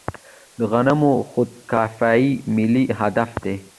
د غنمو خودکفايي ملي هدف دی.